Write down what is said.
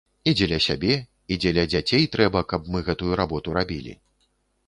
І дзеля сябе і дзеля дзяцей трэба, каб мы гэтую работу рабілі.